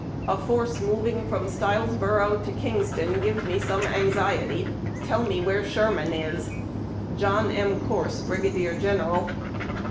A force moving from Stilesboro to Kingston gives me some anxiety. Tell me where Sherman is. Joiix 'SI. Coi'vSE, Brigadier General.